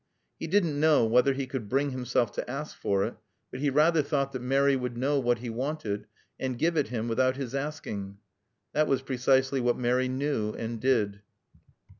He didn't know whether he could bring himself to ask for it, but he rather thought that Mary would know what he wanted and give it him without his asking. That was precisely what Mary knew and did.